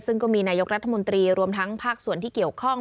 ซึ่งก็มีนายกรัฐมนตรีรวมทั้งภาคส่วนที่เกี่ยวข้อง